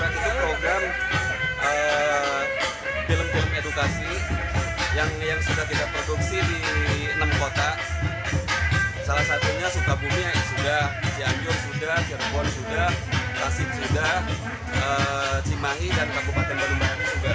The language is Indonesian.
cik mahi dan kabupaten bandung barat juga